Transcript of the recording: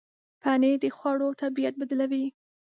پنېر د خوړو طبعیت بدلوي.